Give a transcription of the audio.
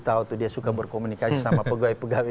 tahu tuh dia suka berkomunikasi sama pegawai pegawai